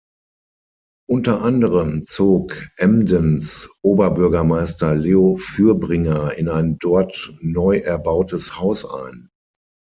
Unter anderem zog Emdens Oberbürgermeister Leo Fürbringer in ein dort neu erbautes Haus ein.